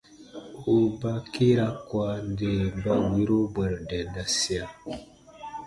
U baa kiira kua nde ba wiiro bwɛ̃ru dendasia.